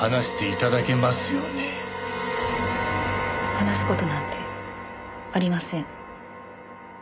話す事なんてありません。